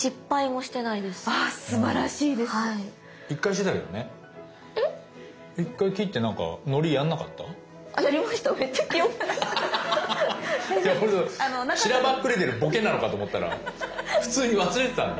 しらばっくれてるボケなのかと思ったら普通に忘れてたんだ。